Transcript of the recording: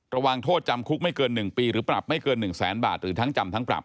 ระวังโทษจำคุกไม่เกิน๑ปีหรือปรับไม่เกิน๑แสนบาทหรือทั้งจำทั้งปรับ